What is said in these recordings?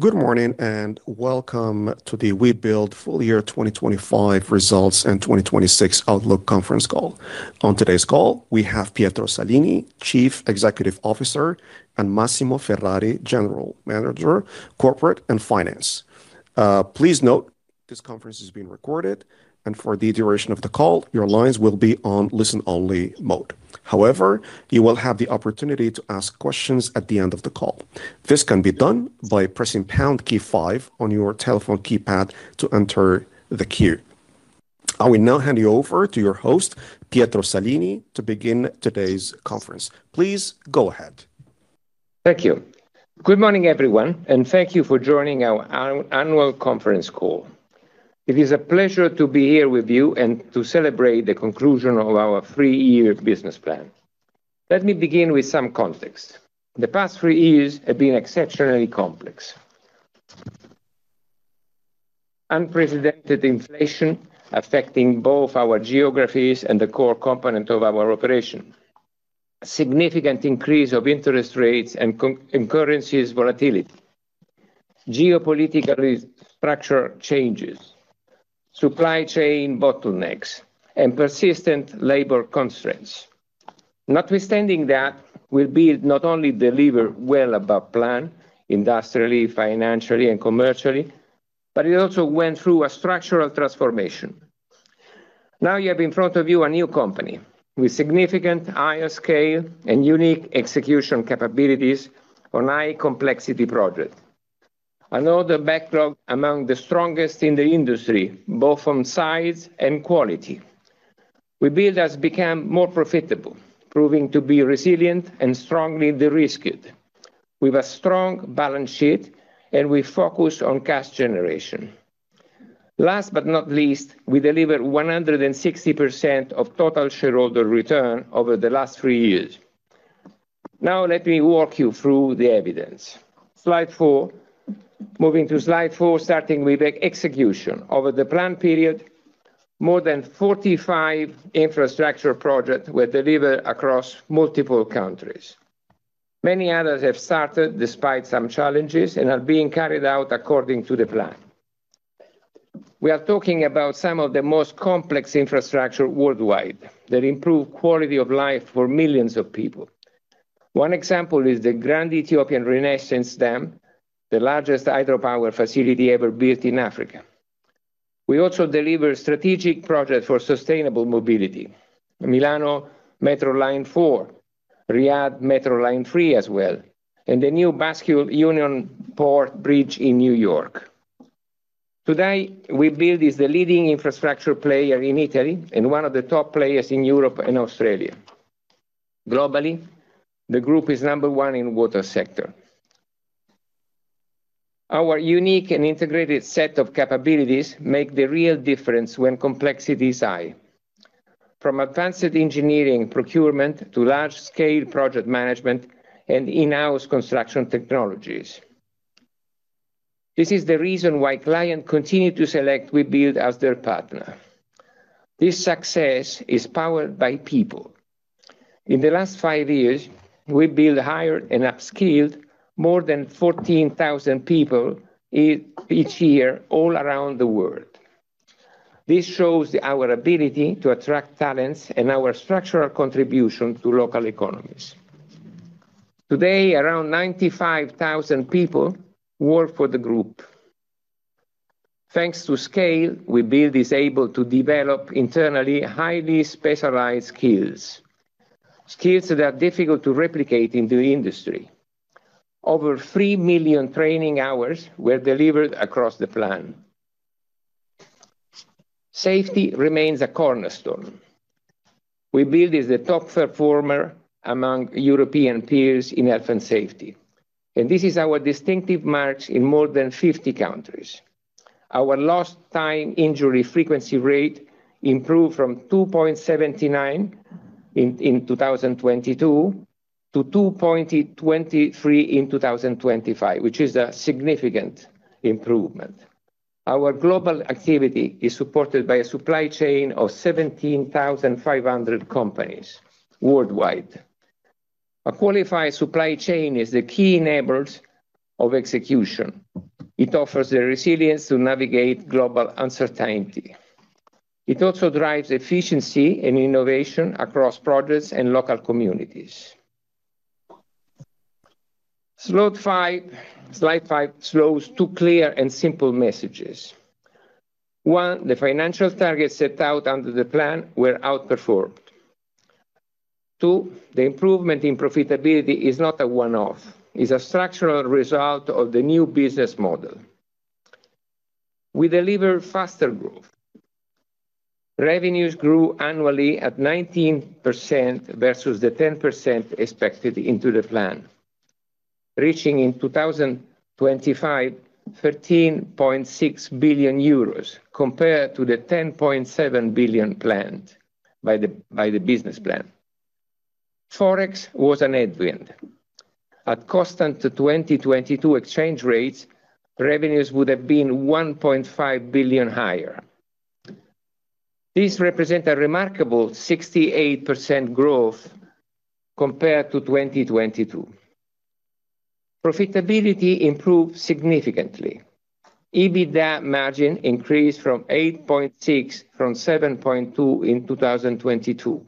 Good morning and welcome to the Webuild Full Year 2025 Results and 2026 Outlook Conference Call. On today's call, we have Pietro Salini, Chief Executive Officer, and Massimo Ferrari, General Manager, Corporate and Finance. Please note this conference is being recorded, and for the duration of the call, your lines will be on listen-only mode. However, you will have the opportunity to ask questions at the end of the call. This can be done by pressing pound key five on your telephone keypad to enter the queue. I will now hand you over to your host, Pietro Salini, to begin today's conference. Please go ahead. Thank you. Good morning, everyone, and thank you for joining our annual conference call. It is a pleasure to be here with you and to celebrate the conclusion of our three-year business plan. Let me begin with some context. The past three years have been exceptionally complex. Unprecedented inflation affecting both our geographies and the core component of our operation, significant increase of interest rates and currencies volatility, geopolitical structural changes, supply chain bottlenecks, and persistent labor constraints. Notwithstanding that, Webuild not only delivered well above plan industrially, financially, and commercially, but it also went through a structural transformation. Now you have in front of you a new company with significant higher scale and unique execution capabilities on high complexity project. Another backlog among the strongest in the industry, both on size and quality. Webuild has become more profitable, proving to be resilient and strongly de-risked, with a strong balance sheet, and we focus on cash generation. Last but not least, we delivered 160% of total shareholder return over the last three years. Now let me walk you through the evidence. Slide four. Moving to slide four, starting with execution. Over the plan period, more than 45 infrastructure projects were delivered across multiple countries. Many others have started despite some challenges and are being carried out according to the plan. We are talking about some of the most complex infrastructure worldwide that improve quality of life for millions of people. One example is the Grand Ethiopian Renaissance Dam, the largest hydropower facility ever built in Africa. We also deliver strategic projects for sustainable mobility, Milano Metro Line 4, Riyadh Metro Line 3 as well, and the new Unionport Bridge in New York. Today, Webuild is the leading infrastructure player in Italy and one of the top players in Europe and Australia. Globally, the group is number one in water sector. Our unique and integrated set of capabilities make the real difference when complexity is high. From advanced engineering procurement to large-scale project management and in-house construction technologies. This is the reason why client continue to select Webuild as their partner. This success is powered by people. In the last five years, Webuild hired and upskilled more than 14,000 people each year all around the world. This shows our ability to attract talents and our structural contribution to local economies. Today, around 95,000 people work for the group. Thanks to scale, Webuild is able to develop internally highly specialized skills that are difficult to replicate in the industry. Over 3 million training hours were delivered across the plan. Safety remains a cornerstone. Webuild is the top performer among European peers in health and safety, and this is our distinctive mark in more than 50 countries. Our lost time injury frequency rate improved from 2.79% in 2022 to 2.23% in 2025, which is a significant improvement. Our global activity is supported by a supply chain of 17,500 companies worldwide. A qualified supply chain is the key enabler of execution. It offers the resilience to navigate global uncertainty. It also drives efficiency and innovation across projects and local communities. Slide five shows two clear and simple messages. One, the financial targets set out under the plan were outperformed. Two, the improvement in profitability is not a one-off. It's a structural result of the new business model. We deliver faster growth. Revenues grew annually at 19% versus the 10% expected in the plan, reaching in 2025 13.6 billion euros compared to the 10.7 billion planned by the business plan. Forex was a headwind. At constant 2022 exchange rates, revenues would have been 1.5 billion higher. This represents a remarkable 68% growth compared to 2022. Profitability improved significantly. EBITDA margin increased to 8.6% from 7.2% in 2022.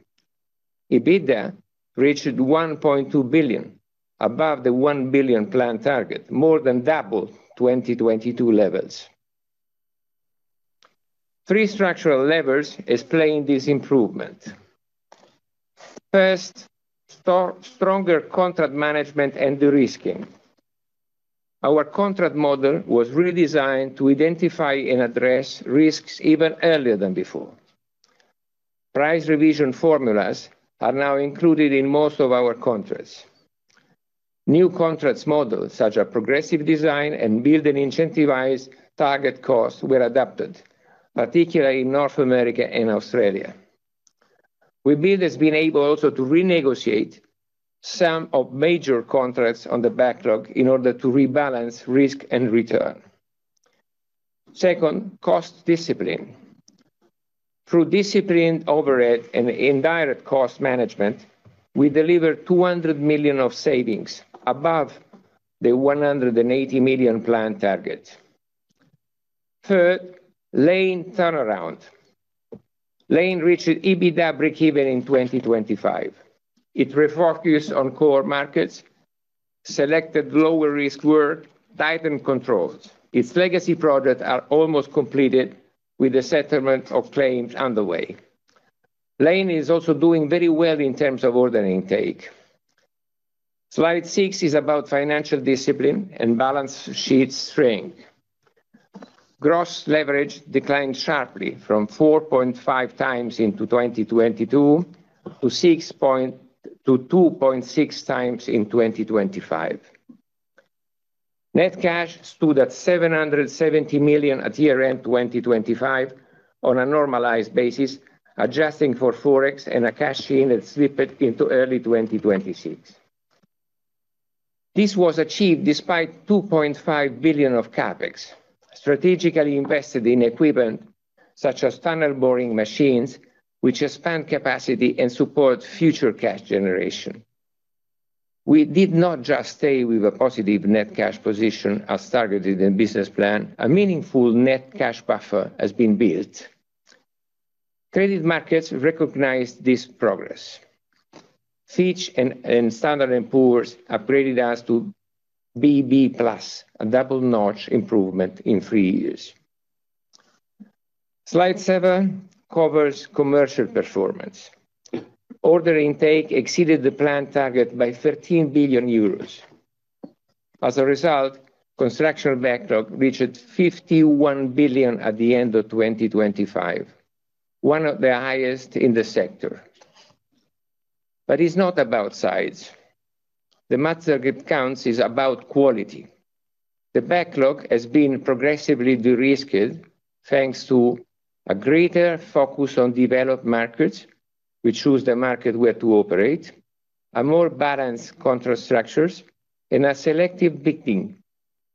EBITDA reached 1.2 billion, above the 1 billion plan target, more than double 2022 levels. Three structural levers explain this improvement. First, stronger contract management and de-risking. Our contract model was redesigned to identify and address risks even earlier than before. Price revision formulas are now included in most of our contracts. New contract models, such as progressive design and build and incentivized target costs were adapted, particularly in North America and Australia. Webuild has been able also to renegotiate some of the major contracts on the backlog in order to rebalance risk and return. Second, cost discipline. Through disciplined overhead and indirect cost management, we delivered 200 million of savings above the 180 million plan target. Third, Lane turnaround. Lane reached EBITDA breakeven in 2025. It refocused on core markets, selected lower risk work, tightened controls. Its legacy projects are almost completed with the settlement of claims underway. Lane is also doing very well in terms of order intake. Slide six is about financial discipline and balance sheet strength. Gross leverage declined sharply from 4.5x in 2022 to 2.6x in 2025. Net cash stood at 770 million at year-end 2025 on a normalized basis, adjusting for forex and a cash in that slipped into early 2026. This was achieved despite 2.5 billion of CapEx, strategically invested in equipment such as tunnel boring machines, which expand capacity and support future cash generation. We did not just stay with a positive net cash position as targeted in business plan. A meaningful net cash buffer has been built. Credit markets recognized this progress. Fitch and Standard and Poor's upgraded us to BB+, a double notch improvement in three years. Slide seven covers commercial performance. Order intake exceeded the plan target by 13 billion euros. As a result, construction backlog reached 51 billion at the end of 2025, one of the highest in the sector. It's not about size. The matter that counts is about quality. The backlog has been progressively de-risked thanks to a greater focus on developed markets, we choose the market where to operate, a more balanced contract structures, and a selective bidding,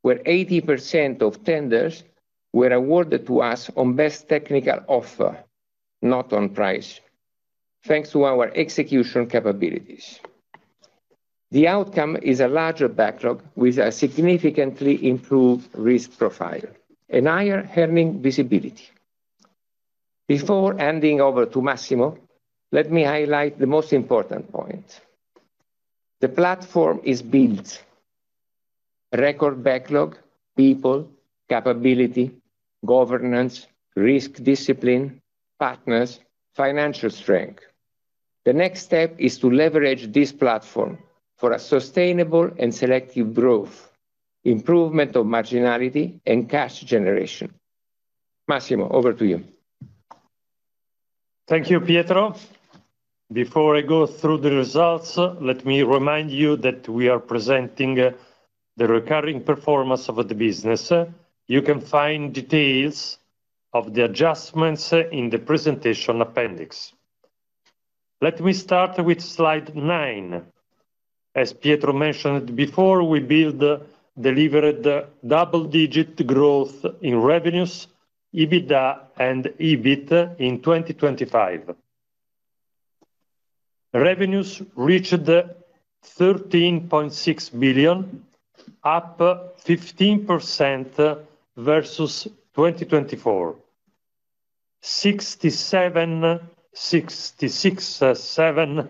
where 80% of tenders were awarded to us on best technical offer, not on price, thanks to our execution capabilities. The outcome is a larger backlog with a significantly improved risk profile and higher earnings visibility. Before handing over to Massimo, let me highlight the most important point. The platform is built. Record backlog, people, capability, governance, risk discipline, partners, financial strength. The next step is to leverage this platform for a sustainable and selective growth, improvement of marginality and cash generation. Massimo, over to you. Thank you, Pietro. Before I go through the results, let me remind you that we are presenting the recurring performance of the business. You can find details of the adjustments in the presentation appendix. Let me start with slide nine. As Pietro mentioned before, Webuild delivered double-digit growth in revenues, EBITDA and EBIT in 2025. Revenues reached 13.6 billion, up 15% versus 2024. 67%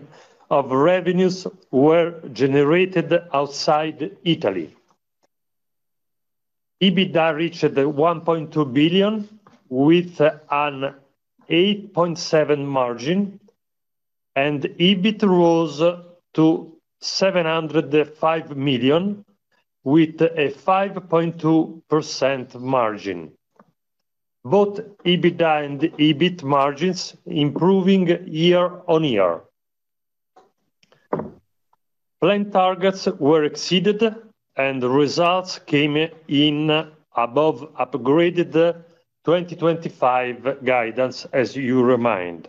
of revenues were generated outside Italy. EBITDA reached 1.2 billion with an 8.7% margin, and EBIT rose to 705 million with a 5.2% margin. Both EBITDA and EBIT margins improving year-on-year. Plan targets were exceeded, and results came in above upgraded 2025 guidance, as you remember.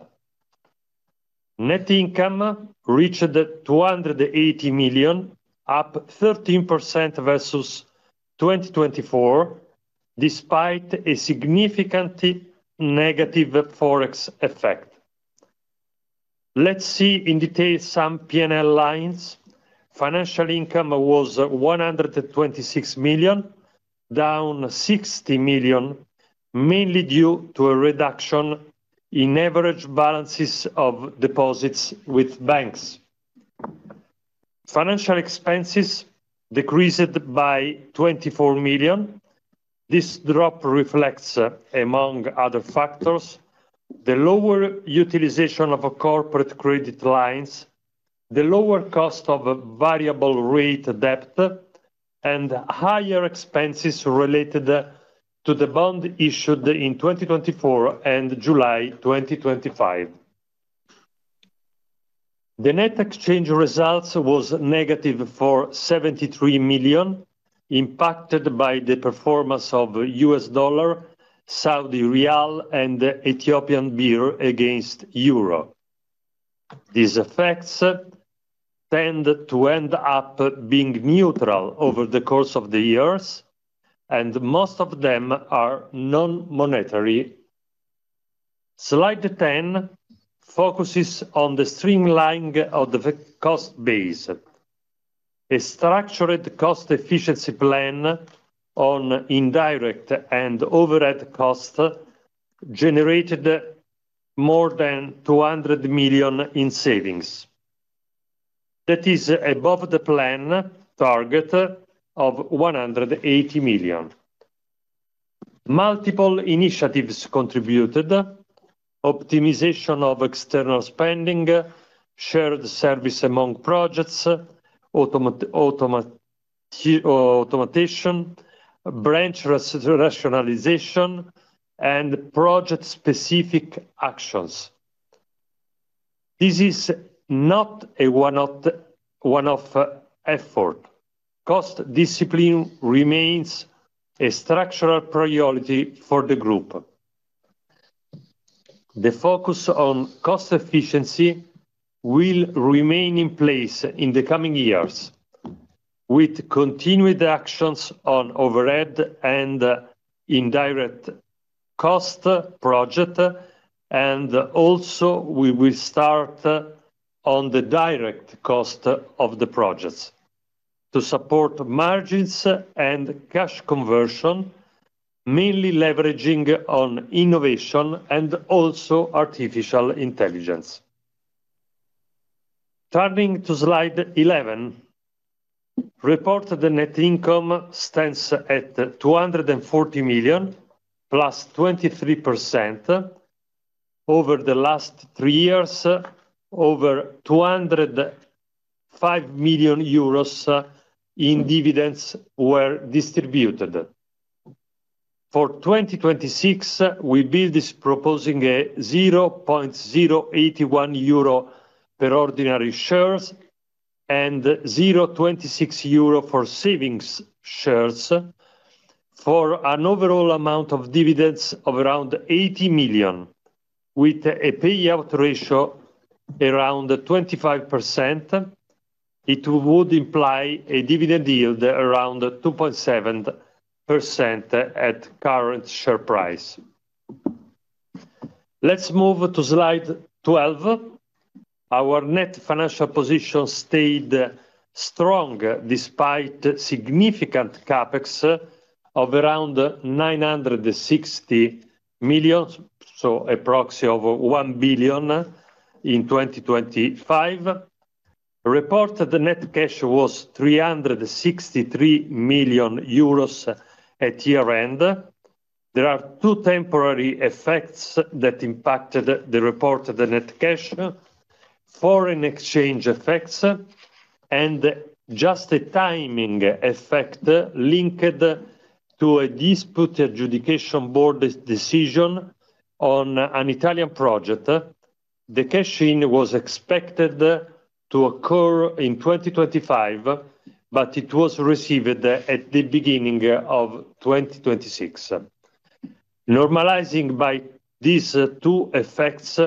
Net income reached 280 million, up 13% versus 2024, despite a significantly negative forex effect. Let's see in detail some P&L lines. Financial income was 126 million, down 60 million, mainly due to a reduction in average balances of deposits with banks. Financial expenses decreased by 24 million. This drop reflects, among other factors, the lower utilization of our corporate credit lines, the lower cost of variable rate debt, and higher expenses related to the bond issued in 2024 and July 2025. The net exchange result was negative for 73 million, impacted by the performance of US dollar, Saudi riyal, and Ethiopian birr against euro. These effects tend to end up being neutral over the course of the years, and most of them are non-monetary. Slide 10 focuses on the streamlining of the cost base. A structured cost efficiency plan on indirect and overhead cost generated more than 200 million in savings. That is above the plan target of 180 million. Multiple initiatives contributed, optimization of external spending, shared service among projects, automation, branch rationalization, and project-specific actions. This is not a one-off effort. Cost discipline remains a structural priority for the group. The focus on cost efficiency will remain in place in the coming years, with continued actions on overhead and indirect cost project, and also we will start on the direct cost of the projects to support margins and cash conversion, mainly leveraging on innovation and also artificial intelligence. Turning to Slide 11, reported net income stands at 240 million, +23%. Over the last three years, over 205 million euros in dividends were distributed. For 2026, Webuild is proposing 0.081 euro per ordinary shares and 0.26 euro for savings shares for an overall amount of dividends of around 80 million, with a payout ratio around 25%, it would imply a dividend yield around 2.7% at current share price. Let's move to slide 12. Our net financial position stayed strong despite significant CapEx of around 960 million, so approximately over 1 billion in 2025. Reported net cash was 363 million euros at year-end. There are two temporary effects that impacted the reported net cash: foreign exchange effects and just a timing effect linked to a dispute adjudication board decision on an Italian project. The cash in was expected to occur in 2025, but it was received at the beginning of 2026. Normalizing by these two effects,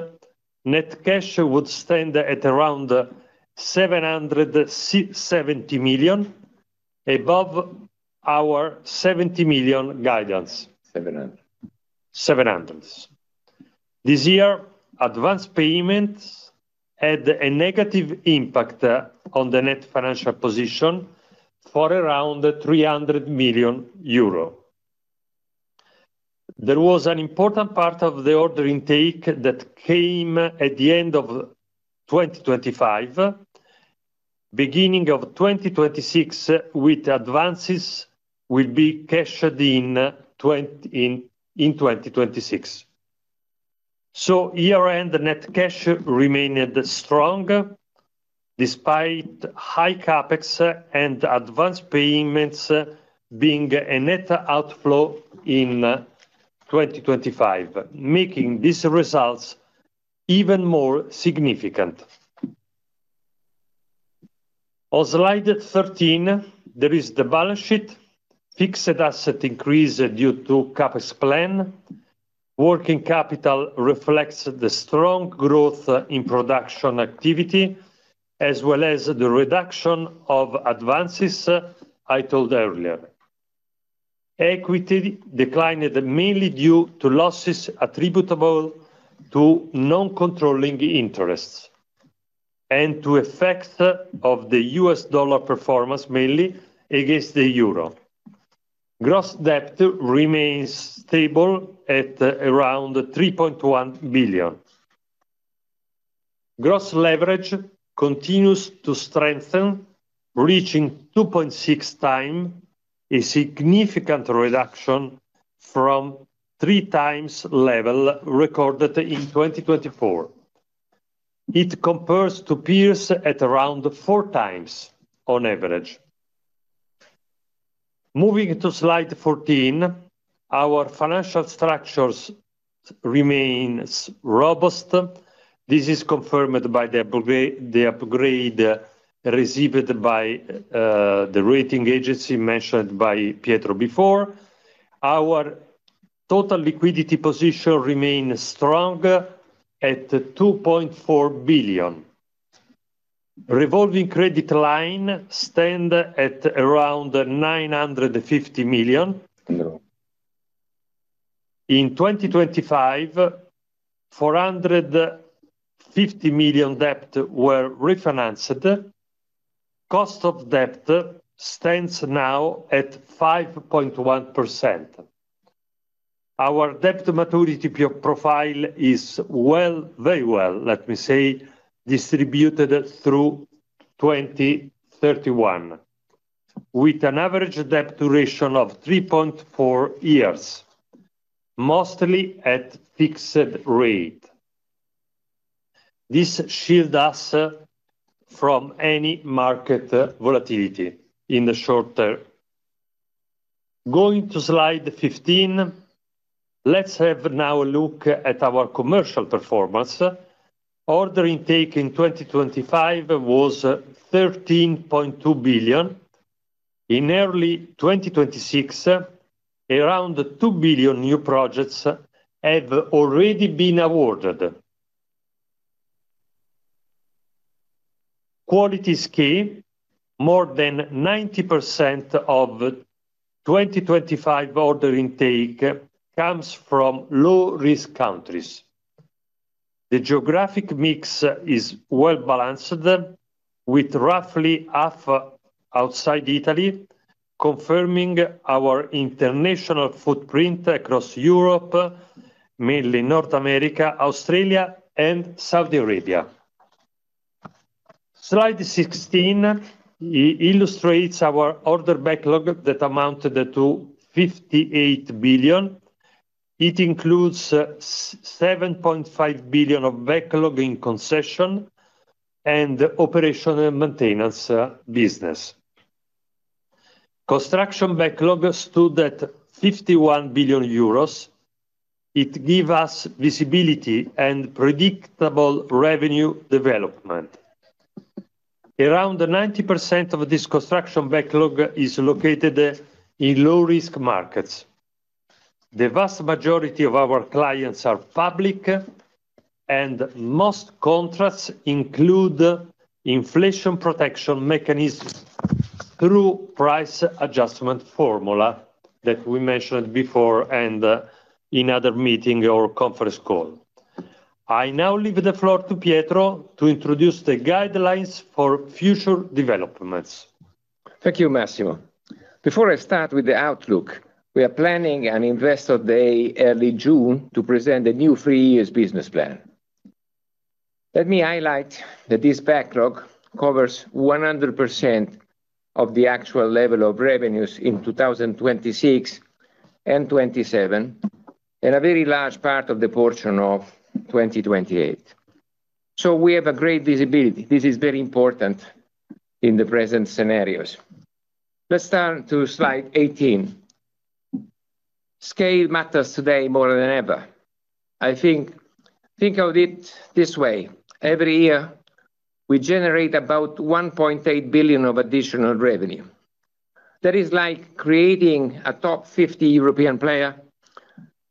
net cash would stand at around 700 million, above our 70 million guidance. This year, advanced payments had a negative impact on the net financial position for around 300 million euro. There was an important part of the order intake that came at the end of 2025. Beginning of 2026 with advances will be cashed in 2026. Year-end net cash remained strong despite high CapEx and advanced payments being a net outflow in 2025, making these results even more significant. On slide 13, there is the balance sheet. Fixed asset increase due to CapEx plan. Working capital reflects the strong growth in production activity, as well as the reduction of advances I told earlier. Equity declined mainly due to losses attributable to non-controlling interests and to effects of the US dollar performance mainly against the euro. Gross debt remains stable at around 3.1 billion. Gross leverage continues to strengthen, reaching 2.6x, a significant reduction from 3x level recorded in 2024. It compares to peers at around 4x on average. Moving to slide 14, our financial structures remain robust. This is confirmed by the upgrade received by the rating agency mentioned by Pietro before. Our total liquidity position remain strong at 2.4 billion. Revolving credit line stand at around 950 million. In 2025, 450 million debt were refinanced. Cost of debt stands now at 5.1%. Our debt maturity profile is, well, very well, let me say, distributed through 2031, with an average debt duration of 3.4 years, mostly at fixed rate. This shield us from any market volatility in the short term. Going to slide 15, let's have now a look at our commercial performance. Order intake in 2025 was 13.2 billion. In early 2026, around 2 billion new projects have already been awarded. Quality scale, more than 90% of 2025 order intake comes from low-risk countries. The geographic mix is well-balanced, with roughly half outside Italy, confirming our international footprint across Europe, mainly North America, Australia, and Saudi Arabia. Slide 16 illustrates our order backlog that amounted to 58 billion. It includes 7.5 billion of backlog in concession and operation and maintenance business. Construction backlog stood at 51 billion euros. It give us visibility and predictable revenue development. Around 90% of this construction backlog is located in low-risk markets. The vast majority of our clients are public, and most contracts include inflation protection mechanisms through price adjustment formula that we mentioned before and in other meeting or conference call. I now leave the floor to Pietro to introduce the guidelines for future developments. Thank you, Massimo. Before I start with the outlook, we are planning an investor day early June to present a new three years business plan. Let me highlight that this backlog covers 100% of the actual level of revenues in 2026 and 2027, and a very large part of the portion of 2028. We have a great visibility. This is very important in the present scenarios. Let's turn to slide 18. Scale matters today more than ever. I think of it this way. Every year, we generate about 1.8 billion of additional revenue. That is like creating a top 50 European player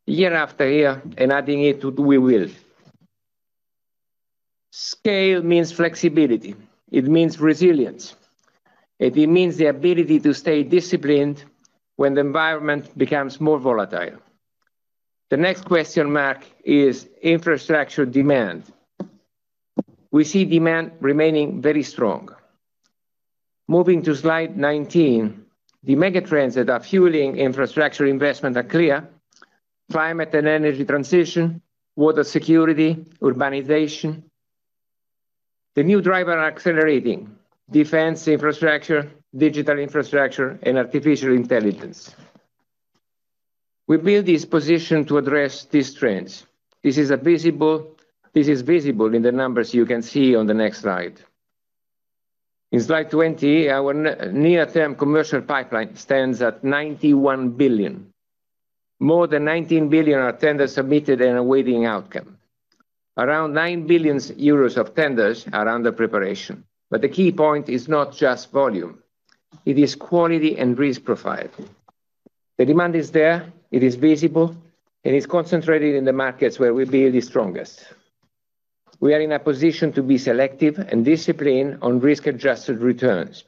year after year and adding it to Webuild. Scale means flexibility. It means resilience. It means the ability to stay disciplined when the environment becomes more volatile. The next question mark is infrastructure demand. We see demand remaining very strong. Moving to slide 19, the megatrends that are fueling infrastructure investment are clear, climate and energy transition, water security, urbanization. The new driver accelerating defense infrastructure, digital infrastructure, and artificial intelligence. We build this position to address these trends. This is visible in the numbers you can see on the next slide. In slide 20, our near-term commercial pipeline stands at 91 billion. More than 19 billion are tenders submitted and awaiting outcome. Around 9 billion euros of tenders are under preparation. But the key point is not just volume, it is quality and risk profile. The demand is there, it is visible, and it's concentrated in the markets where we build the strongest. We are in a position to be selective and disciplined on risk-adjusted returns.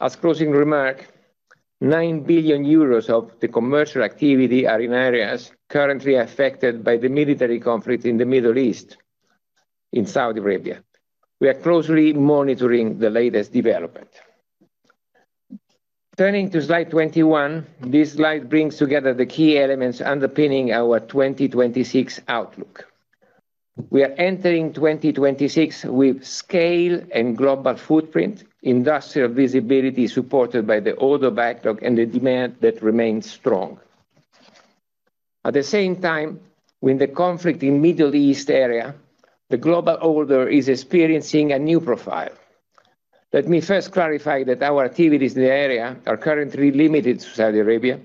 As closing remark, 9 billion euros of the commercial activity are in areas currently affected by the military conflict in the Middle East, in Saudi Arabia. We are closely monitoring the latest development. Turning to slide 21. This slide brings together the key elements underpinning our 2026 outlook. We are entering 2026 with scale and global footprint, industrial visibility supported by the order backlog and the demand that remains strong. At the same time, with the conflict in Middle East area, the global order is experiencing a new profile. Let me first clarify that our activities in the area are currently limited to Saudi Arabia,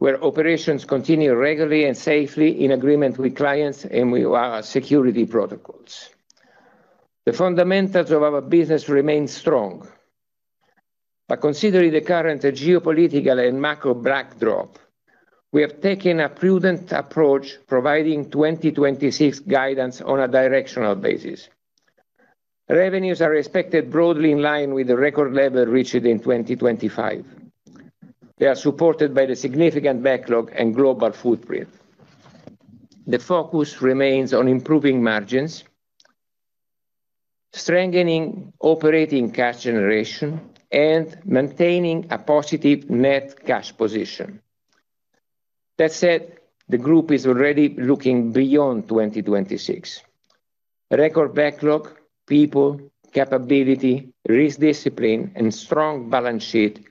where operations continue regularly and safely in agreement with clients and with our security protocols. The fundamentals of our business remain strong. Considering the current geopolitical and macro backdrop, we have taken a prudent approach, providing 2026 guidance on a directional basis. Revenues are expected broadly in line with the record level reached in 2025. They are supported by the significant backlog and global footprint. The focus remains on improving margins, strengthening operating cash generation, and maintaining a positive net cash position. That said, the group is already looking beyond 2026. Record backlog, people, capability, risk discipline, and strong balance sheet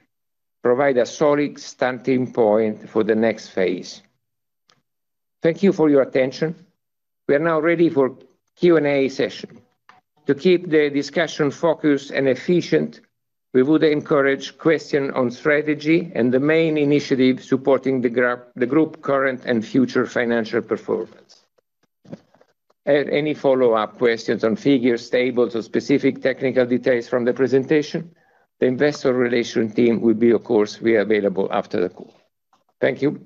provide a solid standing point for the next phase. Thank you for your attention. We are now ready for Q&A session. To keep the discussion focused and efficient, we would encourage question on strategy and the main initiative supporting the group current and future financial performance. Any follow-up questions on figures, tables, or specific technical details from the presentation. The investor relations team will, of course, be available after the call. Thank you.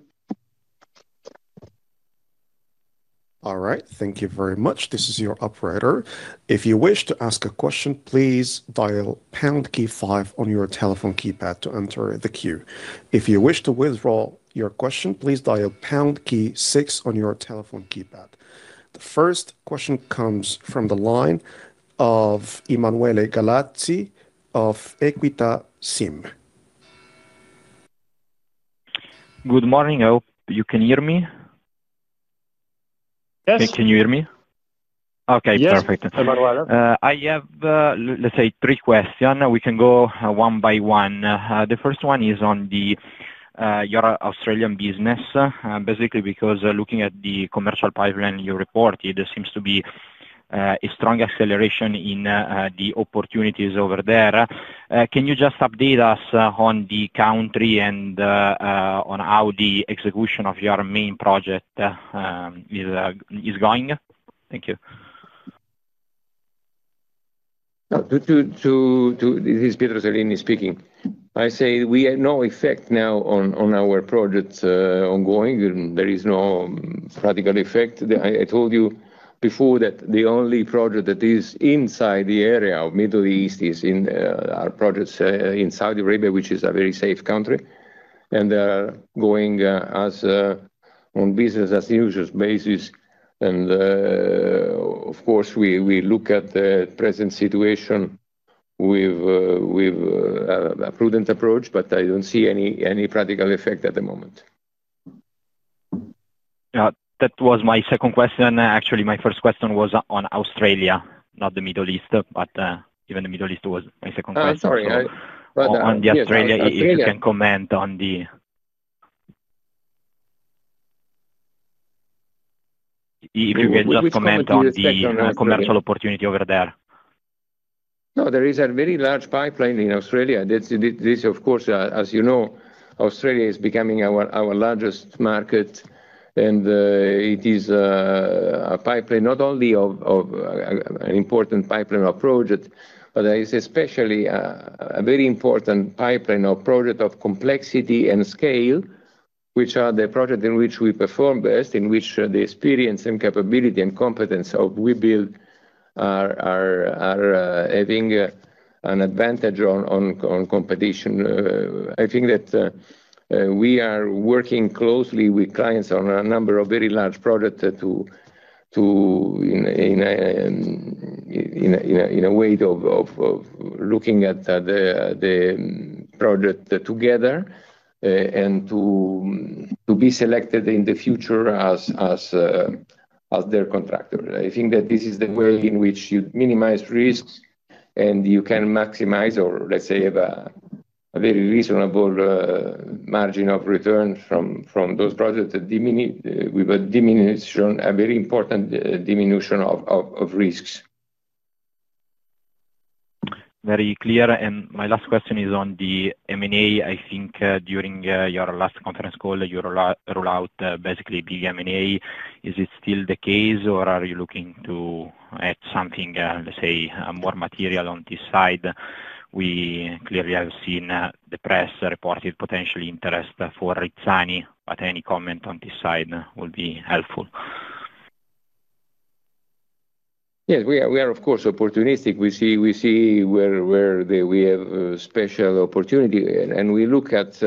All right. Thank you very much. This is your operator. If you wish to ask a question, please dial pound key five on your telephone keypad to enter the queue. If you wish to withdraw your question, please dial pound key six on your telephone keypad. The first question comes from the line of Emanuele Gallazzi of Equita SIM. Good morning. Hope you can hear me. Yes. Can you hear me? Okay, perfect. Yes, Emanuele. I have, let's say three questions. We can go one by one. The first one is on your Australian business, basically because looking at the commercial pipeline you report, there seems to be a strong acceleration in the opportunities over there. Can you just update us on the country and on how the execution of your main project is going? Thank you. No. This is Pietro Salini speaking. I say we have no effect now on our projects ongoing. There is no practical effect. I told you before that the only project that is inside the area of Middle East is in our projects in Saudi Arabia, which is a very safe country, and going on business as usual basis. Of course, we look at the present situation with a prudent approach, but I don't see any practical effect at the moment. Yeah. That was my second question. Actually, my first question was on Australia, not the Middle East, but even the Middle East was my second question. I'm sorry. Yes, Australia. On the Australia, if you can just comment on the- Which comment do you expect on Australia? -commercial opportunity over there. No, there is a very large pipeline in Australia. That's this of course, as you know, Australia is becoming our largest market, and it is a pipeline not only of an important pipeline or project, but there is especially a very important pipeline or project of complexity and scale, which are the projects in which we perform best, in which the experience and capability and competence of Webuild are having an advantage on competition. I think that we are working closely with clients on a number of very large projects in a way of looking at the project together, and to be selected in the future as their contractor. I think that this is the way in which you minimize risks, and you can maximize or let's say have a very reasonable margin of return from those projects that with a diminution, a very important diminution of risks. Very clear. My last question is on the M&A. I think, during your last conference call, you rolled out basically the M&A. Is it still the case, or are you looking to add something, let's say, more material on this side? We clearly have seen the press reported potential interest for Rizzani, but any comment on this side will be helpful. Yes. We are of course opportunistic. We see where we have special opportunity. We look at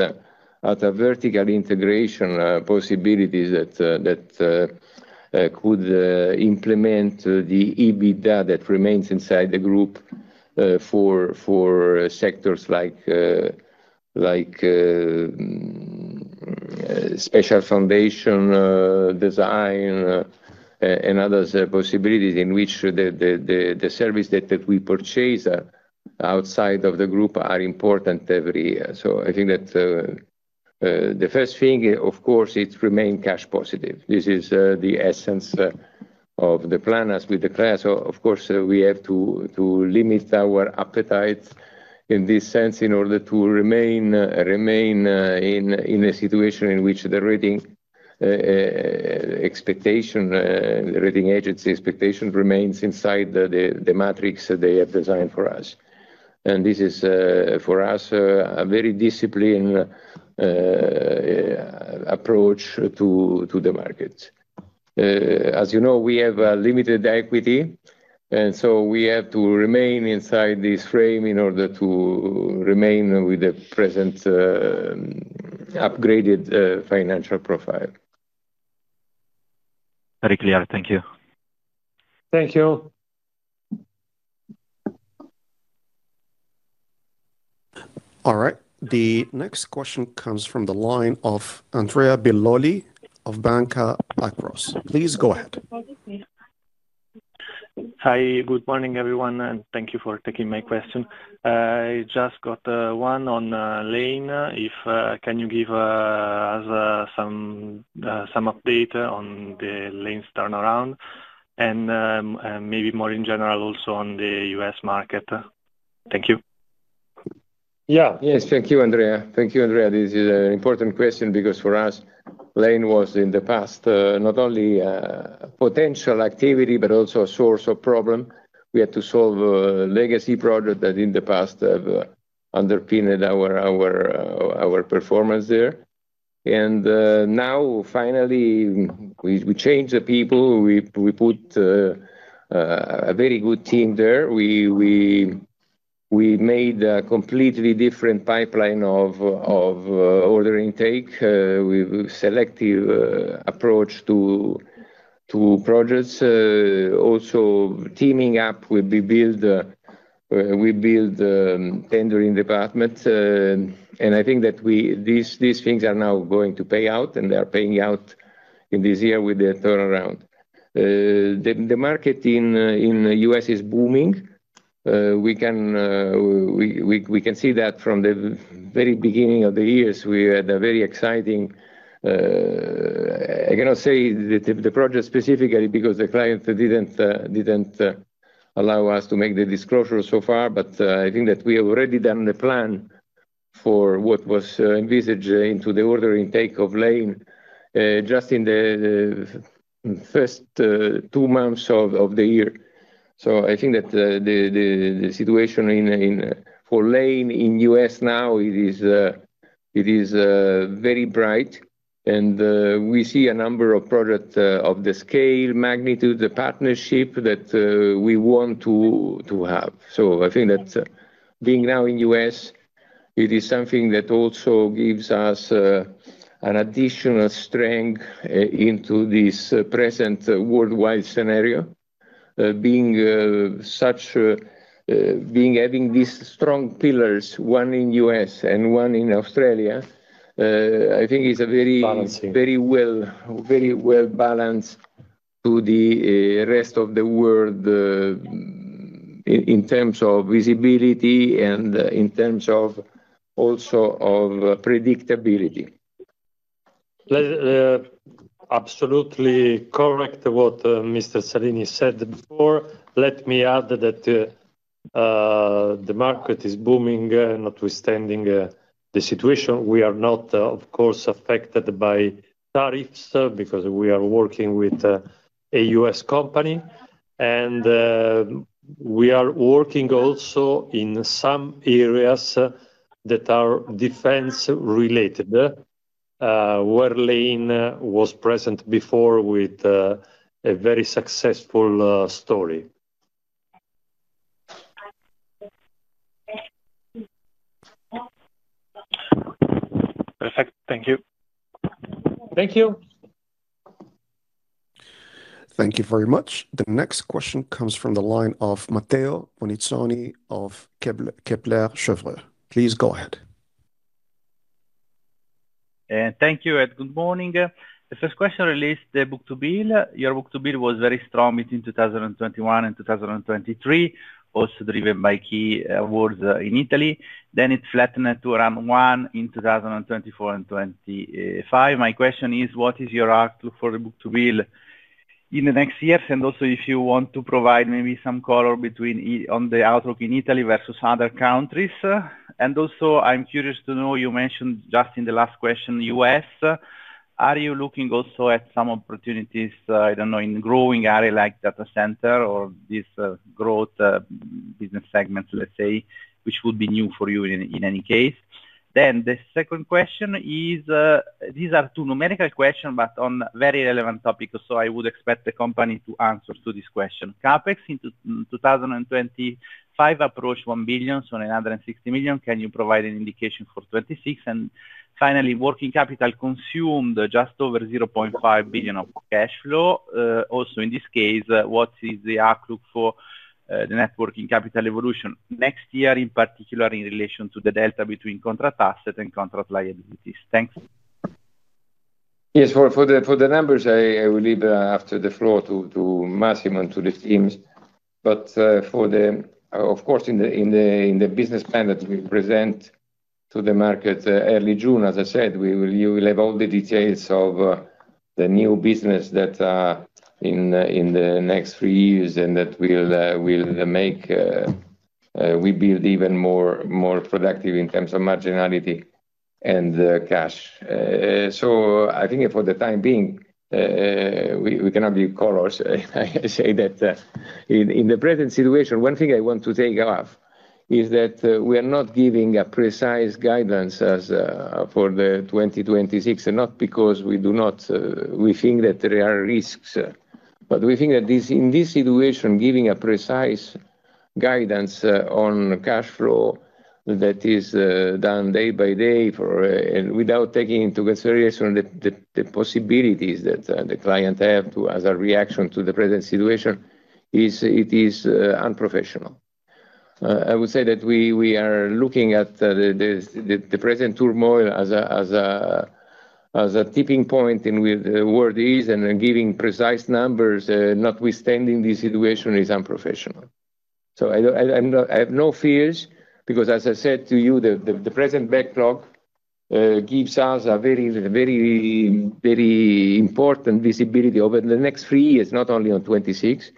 a vertical integration possibilities that could implement the EBITDA that remains inside the group for sectors like special foundation design and other possibilities in which the service that we purchase outside of the group are important every year. I think that the first thing of course is remain cash positive. This is the essence of the plan as we declare. Of course, we have to limit our appetite in this sense in order to remain in a situation in which the rating agency expectation remains inside the metrics that they have designed for us. This is for us a very disciplined approach to the market. As you know, we have a limited equity, and so we have to remain inside this frame in order to remain with the present upgraded financial profile. Very clear. Thank you. Thank you. All right. The next question comes from the line of Andrea Belloli of Banca Akros. Please go ahead. Hi. Good morning, everyone, and thank you for taking my question. I just got one on Lane. If you can give us some update on Lane's turnaround and maybe more in general also on the U.S. market? Thank you. Yes. Thank you, Andrea. This is an important question because for us, Lane was in the past not only potential activity but also a source of problem. We had to solve a legacy project that in the past have underpinned our performance there. Now finally we changed the people. We made a completely different pipeline of order intake with selective approach to projects. Also teaming up, we built a tendering department. I think that these things are now going to pay out, and they are paying out in this year with the turnaround. The market in the U.S. is booming. We can see that from the very beginning of the years. We had a very exciting. I cannot say the project specifically because the clients didn't allow us to make the disclosure so far. I think that we have already done the plan for what was envisaged into the order intake of Lane just in the first two months of the year. I think that the situation in for Lane in U.S. now, it is very bright. We see a number of projects of the scale, magnitude, the partnership that we want to have. I think that being now in U.S., it is something that also gives us an additional strength into this present worldwide scenario. Having these strong pillars, one in U.S. and one in Australia, I think is a very well balanced to the rest of the world in terms of visibility and in terms of also of predictability. Absolutely correct what Mr. Salini said before. Let me add that the market is booming, notwithstanding the situation. We are not, of course, affected by tariffs, because we are working with a U.S. company. We are working also in some areas that are defense related, where Lane was present before with a very successful story. Perfect. Thank you. Thank you. Thank you very much. The next question comes from the line of Matteo Bonizzoni of Kepler Cheuvreux. Please go ahead. Thank you and good morning. The first question relates to the book-to-bill. Your book-to-bill was very strong between 2021 and 2023, also driven by key awards in Italy. Then it flattened to around 1 in 2024 and 2025. My question is, what is your outlook for the book-to-bill? In the next years, if you want to provide maybe some color between on the outlook in Italy versus other countries. I'm curious to know, you mentioned just in the last question, the U.S. Are you looking also at some opportunities, I don't know, in growing area like data center or this growth business segment, let's say, which would be new for you in any case? The second question is, these are two numerical question, but on very relevant topic, so I would expect the company to answer to this question. CapEx in 2025 approach 1 billion, so 960 million. Can you provide an indication for 2026? Finally, working capital consumed just over 0.5 billion of cash flow. Also in this case, what is the outlook for the net working capital evolution next year, in particular in relation to the delta between contract assets and contract liabilities? Thanks. Yes. For the numbers, I will leave the floor to Massimo and to the teams. Of course, in the business plan that we present to the market early June, as I said, we will, you will have all the details of the new business that in the next three years and that we'll make will be even more productive in terms of marginality and cash. I think for the time being, we cannot give colors. I say that in the present situation, one thing I want to take away is that we are not giving a precise guidance as for 2026, and not because we do not. We think that there are risks. In this situation, giving a precise guidance on cash flow that is done day by day for and without taking into consideration the possibilities that the client have to as a reaction to the present situation, is unprofessional. I would say that we are looking at the present turmoil as a tipping point in where the world is, and giving precise numbers notwithstanding the situation is unprofessional. I have no fears because as I said to you, the present backlog gives us a very important visibility over the next three years, not only on 2026.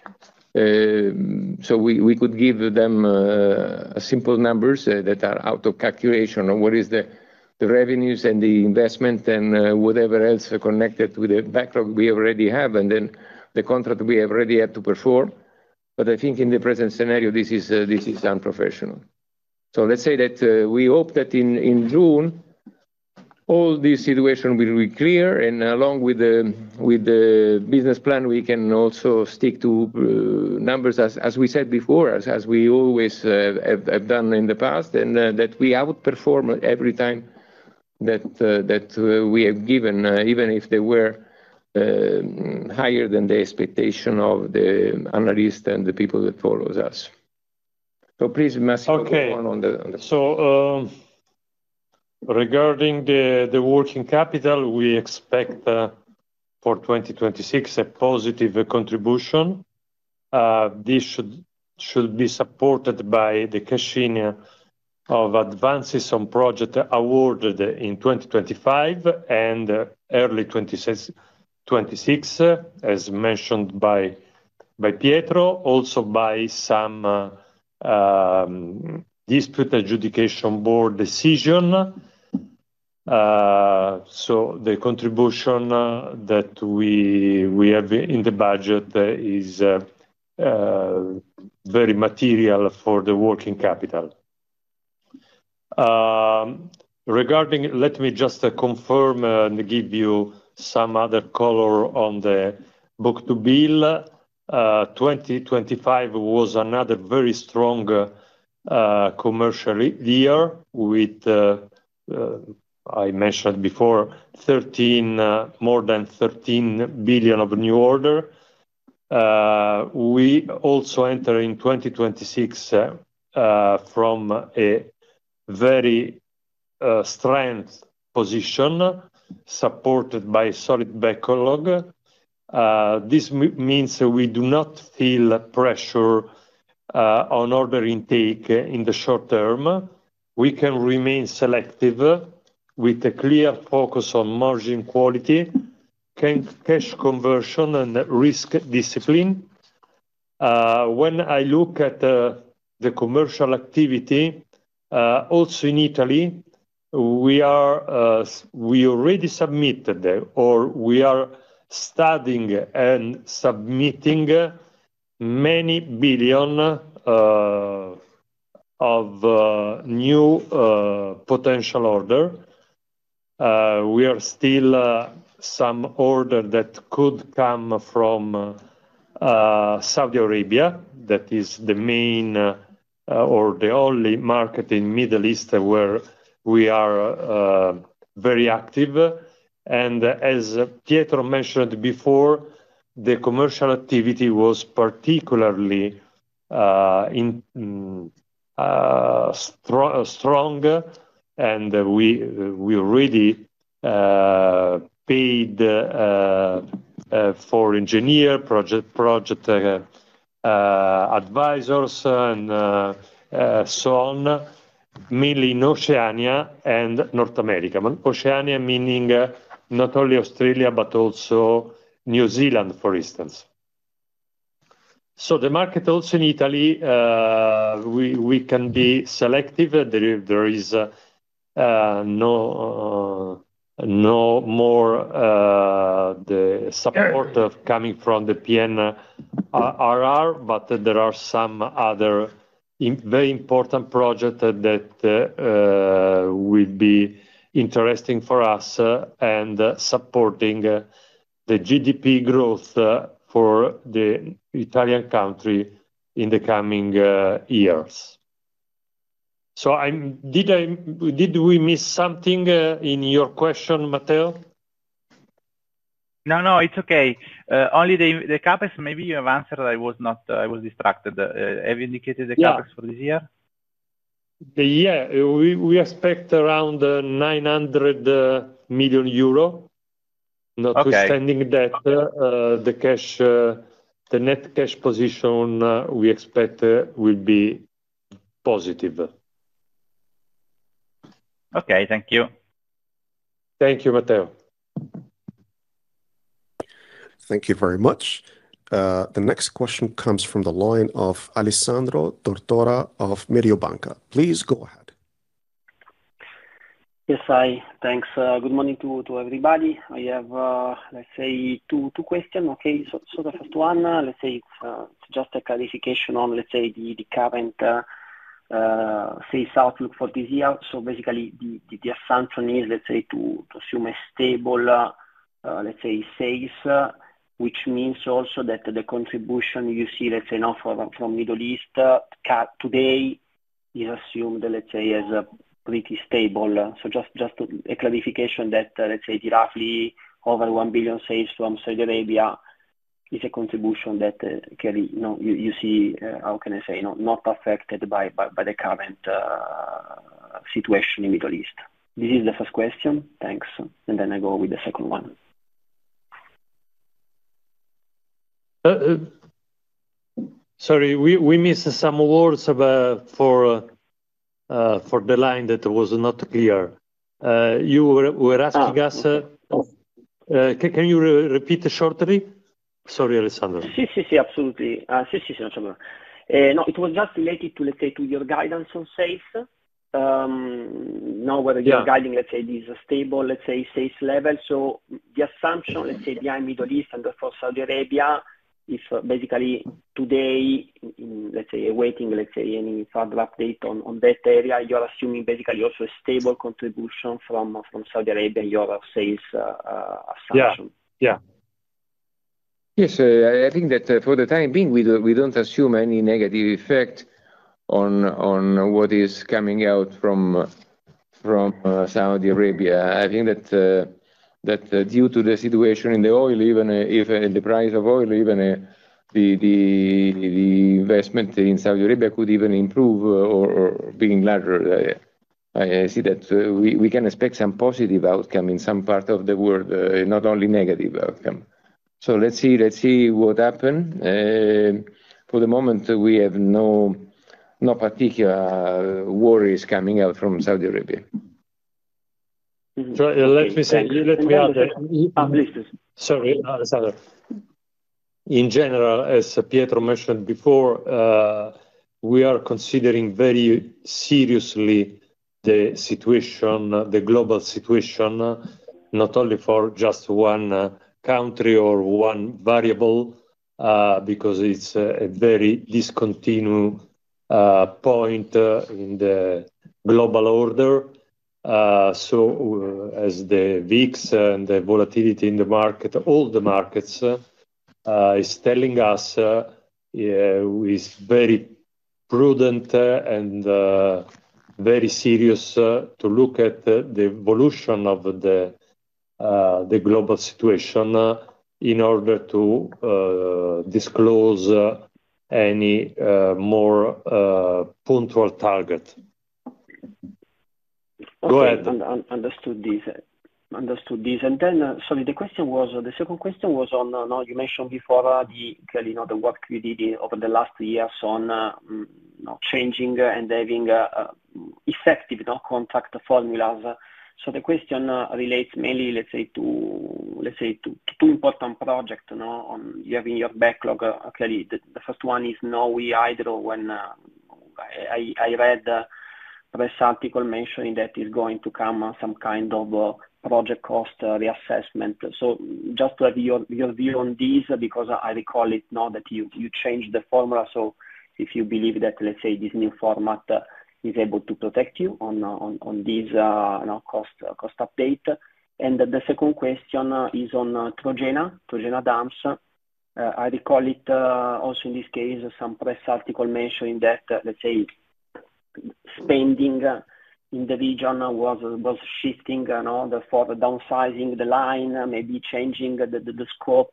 We could give them simple numbers that are out of calculation on what is the revenues and the investment and whatever else connected with the backlog we already have and then the contract we already have to perform. I think in the present scenario, this is unprofessional. Let's say that we hope that in June all this situation will be clear and along with the business plan, we can also stick to numbers as we said before, as we always have done in the past, and that we outperform every time that we have given even if they were higher than the expectation of the analysts and the people that follows us. Please, Massimo, go on the. Regarding the working capital, we expect for 2026 a positive contribution. This should be supported by the cashing of advances on projects awarded in 2025 and early 2026, as mentioned by Pietro, also by some dispute adjudication board decision. The contribution that we have in the budget is very material for the working capital. Let me just confirm and give you some other color on the book-to-bill. 2025 was another very strong commercial year with, I mentioned before, more than 13 billion of new order. We also entered 2026 from a very strong position supported by solid backlog. This means that we do not feel pressure on order intake in the short term. We can remain selective with a clear focus on margin quality, cash conversion, and risk discipline. When I look at the commercial activity also in Italy, we already submitted or we are studying and submitting many EUR billion of new potential order. We are still some order that could come from Saudi Arabia. That is the main or the only market in Middle East where we are very active. As Pietro mentioned before, the commercial activity was particularly strong, and we already paid for engineer project advisors and so on. Mainly in Oceania and North America. Oceania, meaning not only Australia, but also New Zealand, for instance. The market also in Italy, we can be selective. There is no more the support coming from the PNRR, but there are some other very important project that will be interesting for us and supporting the GDP growth for the Italian country in the coming years. Did we miss something in your question, Matteo? No, no, it's okay. Only the CapEx, maybe you have answered. I was distracted. Have you indicated the CapEx for this year? Yeah. We expect around 900 million euro. Okay. Notwithstanding that, the net cash position we expect will be positive. Okay. Thank you. Thank you, Matteo. Thank you very much. The next question comes from the line of Alessandro Tortora of Mediobanca. Please go ahead. Yes, hi. Thanks. Good morning to everybody. I have two questions, okay? The first one is just a clarification on the current sales outlook for this year. Basically the assumption is to assume a stable sales, which means also that the contribution you see now from the Middle East today is assumed as pretty stable. Just a clarification that roughly over 1 billion sales from Saudi Arabia is a contribution that can, you know, you see, how can I say, not affected by the current situation in the Middle East. This is the first question. Thanks. Then I go with the second one. Sorry, we missed some words for the line that was not clear. You were asking us. Can you repeat shortly? Sorry, Alessandro. Yes, absolutely. Yes, no trouble. No, it was just related to, let's say, to your guidance on sales. Now whether you're guiding. Yeah. Let's say these are stable, let's say sales levels. The assumption, let's say behind Middle East and for Saudi Arabia is basically today, let's say awaiting, let's say any further update on that area. You're assuming basically also a stable contribution from Saudi Arabia in your sales assumption. Yeah, yeah. Yes, I think that for the time being, we don't assume any negative effect on what is coming out from Saudi Arabia. I think that due to the situation in the oil, even if the price of oil even the investment in Saudi Arabia could even improve or being larger. I see that we can expect some positive outcome in some part of the world, not only negative outcome. Let's see what happen. For the moment, we have no particular worries coming out from Saudi Arabia. Let me say, let me add. Sorry, Alessandro. In general, as Pietro mentioned before, we are considering very seriously the situation, the global situation, not only for just one country or one variable, because it's a very discontinuous point in the global order. As the VIX and the volatility in the market, all the markets, is telling us, is very prudent and very serious to look at the evolution of the global situation in order to disclose any more punctual target. Go ahead. Understood this. Sorry, the question was. The second question was on, now you mentioned before, the you know the work you did over the last years on changing and having effective contract formulas. The question relates mainly, let's say to two important project you know you have in your backlog. Clearly the first one is Snowy 2.0 when I read the press article mentioning that is going to come some kind of a project cost reassessment. Just to have your view on this, because I recall it now that you changed the formula. If you believe that, let's say this new format is able to protect you on this you know cost update. The second question is on Trojena dams. I recall it also in this case, some press article mentioning that, let's say, spending in the region was shifting in order for downsizing the timeline, maybe changing the scope,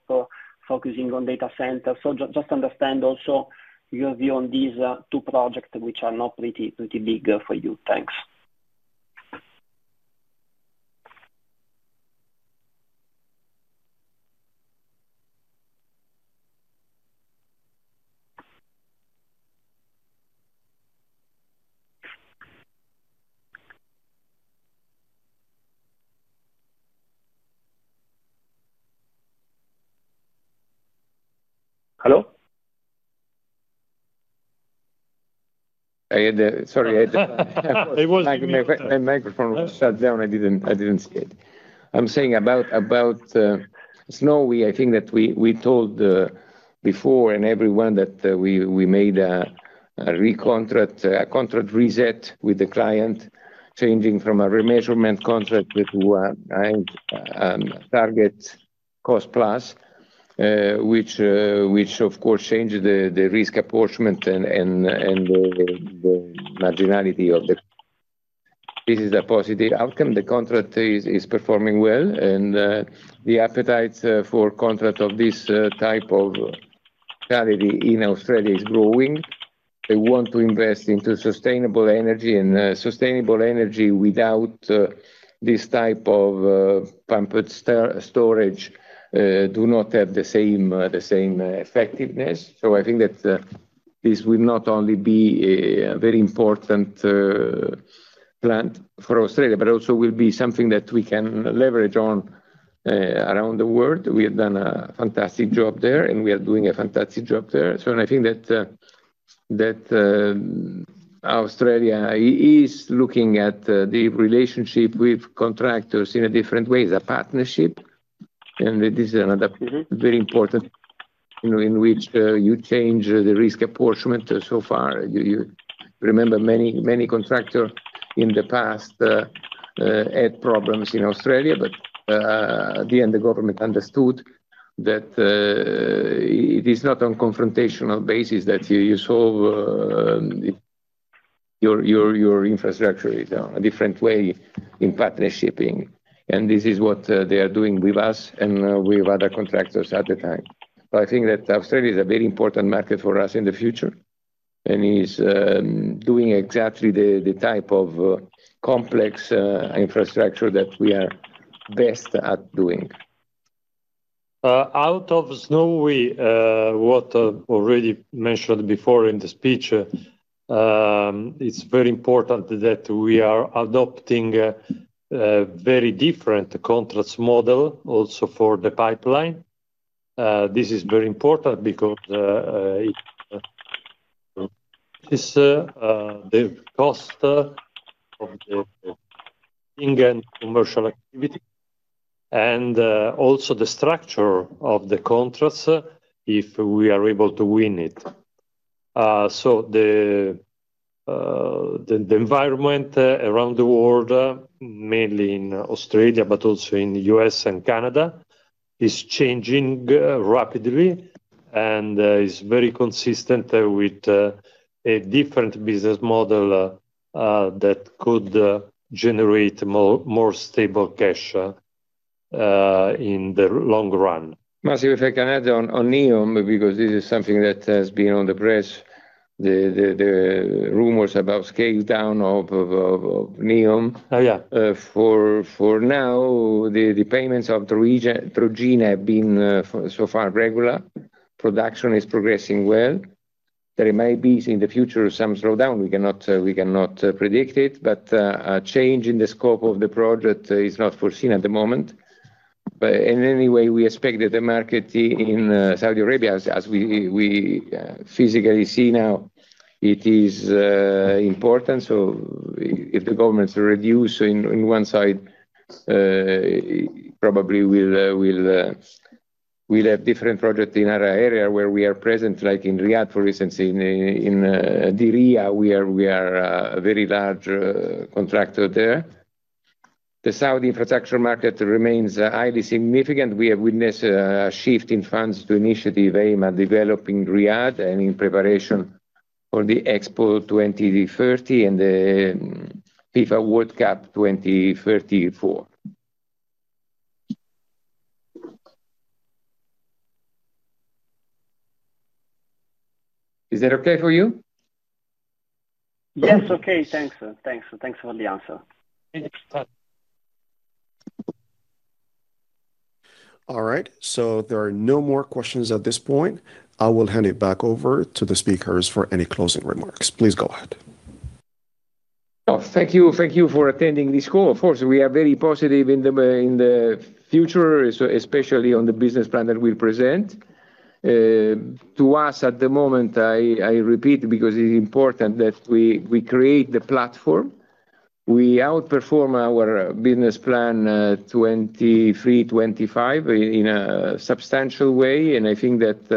focusing on data centers. Just understand also your view on these two projects, which are now pretty big for you. Thanks. Hello? Sorry, I had the- It was muted. My microphone was shut down. I didn't see it. I'm saying about Snowy. I think that we told before and everyone that we made a contract reset with the client, changing from a remeasurement contract to target cost plus, which of course changed the risk apportionment and the marginality of the. This is a positive outcome. The contract is performing well, and the appetite for contracts of this type of contract in Australia is growing. They want to invest into sustainable energy, and sustainable energy without this type of pumped storage do not have the same effectiveness. I think that this will not only be a very important plant for Australia, but also will be something that we can leverage on around the world. We have done a fantastic job there, and we are doing a fantastic job there. I think that Australia is looking at the relationship with contractors in a different way. The partnership, and this is another very important, you know, in which you change the risk apportionment so far. You remember many contractors in the past had problems in Australia. At the end, the government understood that it is not on confrontational basis that you solve your infrastructure. It's a different way in partnering, and this is what they are doing with us and with other contractors at the time. I think that Australia is a very important market for us in the future and is doing exactly the type of complex infrastructure that we are best at doing. Out of Snowy, already mentioned before in the speech, it's very important that we are adopting a very different contract model also for the pipeline. This is very important because the cost of the engineering commercial activity and also the structure of the contracts if we are able to win it. The environment around the world, mainly in Australia but also in the U.S. and Canada, is changing rapidly and is very consistent with a different business model that could generate more stable cash in the long run. Massimo, if I can add on NEOM, because this is something that has been in the press. The rumors about scale down of NEOM. Oh, yeah. For now, the payments through Trojena have been so far regular. Production is progressing well. There may be some slowdown in the future. We cannot predict it, but a change in the scope of the project is not foreseen at the moment. In any way, we expect that the market in Saudi Arabia, as we physically see now, it is important. If the government reduces in one side, probably we'll have different project in other area where we are present, like in Riyadh, for instance. In Diriyah, we are a very large contractor there. The Saudi infrastructure market remains highly significant. We have witnessed a shift in funds to initiative aimed at developing Riyadh and in preparation for the Expo 2030 and the FIFA World Cup 2034. Is that okay for you? Yes. Okay. Thanks for the answer. Thank you. All right. There are no more questions at this point. I will hand it back over to the speakers for any closing remarks. Please go ahead. Oh, thank you. Thank you for attending this call. Of course, we are very positive in the future, especially on the business plan that we present. To us at the moment, I repeat because it's important that we create the platform. We outperform our business plan 2023-2025 in a substantial way, and I think that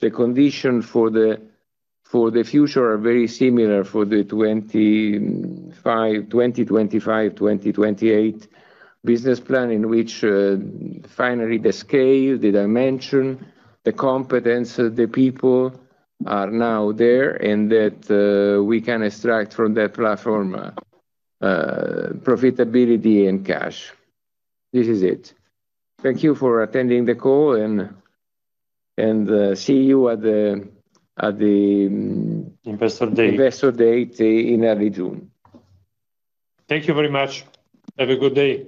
the condition for the future are very similar for the 2025-2028 business plan in which finally the scale, the dimension, the competence of the people are now there, and that we can extract from that platform profitability and cash. This is it. Thank you for attending the call and see you at the Investor Day in early June. Thank you very much. Have a good day.